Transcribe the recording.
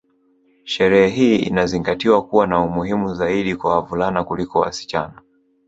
Sherehe hii inazingatiwa kuwa na umuhimu zaidi kwa wavulana kuliko wasichana